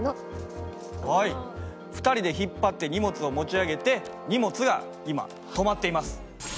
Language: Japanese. ２人で引っ張って荷物を持ち上げて荷物が今止まっています。